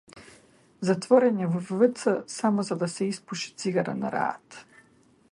Затворање во вц само за да се испуши цигара на раат.